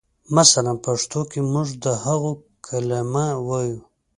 مثلاً پښتو کې موږ د هو کلمه وایو.